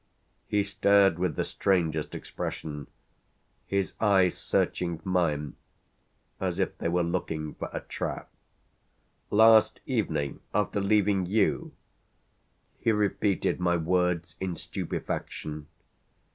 He stared with the strangest expression, his eyes searching mine as if they were looking for a trap. "Last evening after leaving you?" He repeated my words in stupefaction.